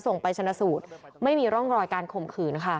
ไปชนะสูตรไม่มีร่องรอยการข่มขืนค่ะ